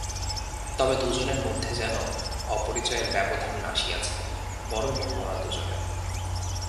তবে দুজনের মধ্যে যেন অপরিচয়ের ব্যবধান আসিয়াছে, বড় মনমরা দুজনে।